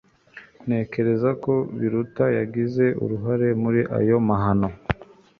Ntekereza ko Biruta yagize uruhare muri ayo mahano